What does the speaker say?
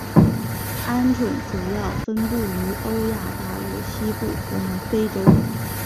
鹌鹑主要分布于欧亚大陆西部和非洲。